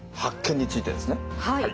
はい。